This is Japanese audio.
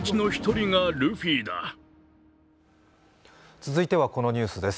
続いてはこのニュースです。